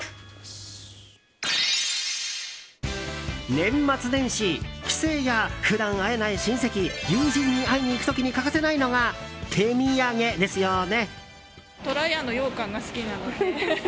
年末年始、帰省や普段会えない親戚友人に会いに行く時に欠かせないのが手土産ですよね。